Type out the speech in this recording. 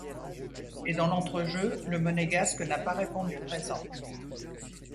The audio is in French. Et dans l’entrejeu, le Monégasque n’a pas répondu présent.